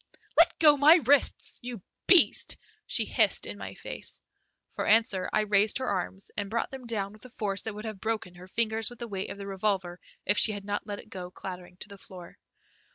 "Let go my wrists, you beast," she hissed in my face. For answer I raised her arms and brought them down with a force that would have broken her fingers with the weight of the revolver if she had not let it go clattering to the floor.